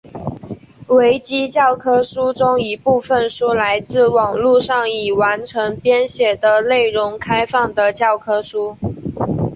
维基教科书中一部分书来自网路上已完成编写的内容开放的教科书。